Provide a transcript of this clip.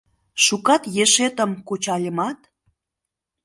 Шукат ешетым кучальымат